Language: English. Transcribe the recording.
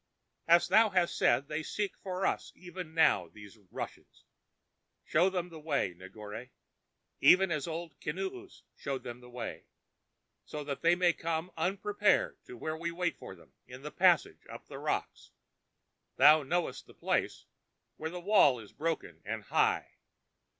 "As thou hast said, they seek for us even now, these Russians. Show them the way, Negore, even as Old Kinoos showed them the way, so that they come, unprepared, to where we wait for them, in a passage up the rocks. Thou knowest the place, where the wall is broken and high.